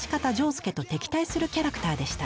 仗助と敵対するキャラクターでした。